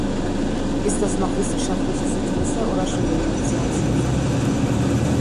Ist das noch wissenschaftliches Interesse oder schon Sensationslust?